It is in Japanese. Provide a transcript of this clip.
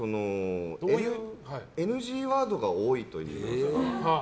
ＮＧワードが多いというか。